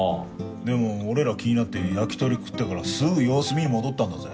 でも俺ら気になって焼き鳥食ってからすぐ様子見に戻ったんだぜ？